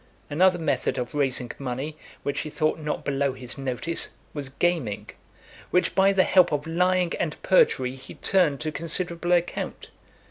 Another method of raising money, which he thought not below his notice, was gaming; which, by the help of lying and perjury, he turned to considerable account.